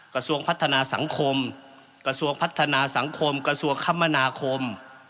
กระทรวงพัฒนาสังคมกระทรวงพัฒนาสังคมกระทรวงคมนาคม